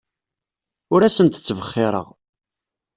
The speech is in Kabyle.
Ur asent-ttbexxireɣ.